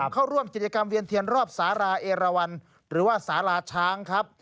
เข้าร่วมกิจกรรมเวียนเทียนรอบสาราเอราวันหรือว่าสาราช้างครับ